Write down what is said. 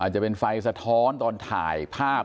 จะเป็นไฟสะท้อนตอนถ่ายภาพ